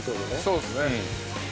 そうですね。